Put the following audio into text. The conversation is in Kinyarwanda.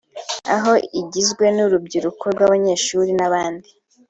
aho igizwe n’urubyiruko rw’abanyeshuri n’abandi